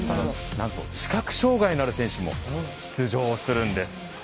なんと視覚障害のある選手も出場するんです。